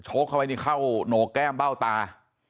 โชคเข้าไปเข้าโหนกแก้มเบ้าตา